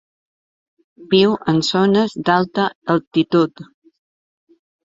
Viu en zones d'alta altitud.